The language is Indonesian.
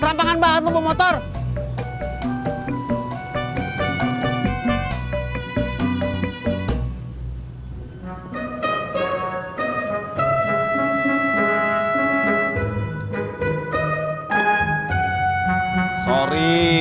serampangan banget lu bu motor